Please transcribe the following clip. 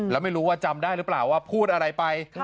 แล้วไม่รู้ว่าจำได้หรือเปล่าว่าพูดอะไรไป